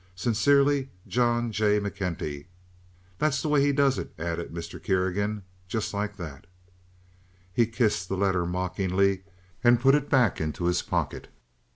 Sincerely, John J. McKenty.' That's the way he does it," added Mr. Kerrigan; "just like that." He kissed the letter mockingly and put it back into his pocket.